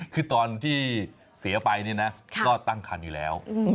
คือตอนที่เสียไปเนี่ยนะก็ตั้งคันอยู่แล้ว